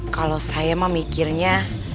kalau saya emang mikirnya